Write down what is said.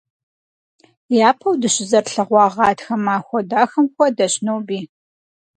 Япэу дыщызэрылъэгъуа гъатхэ махуэ дахэм хуэдэщ ноби.